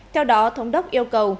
theo đó thống đốc yêu cầu